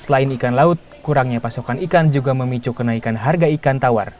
selain ikan laut kurangnya pasokan ikan juga memicu kenaikan harga ikan tawar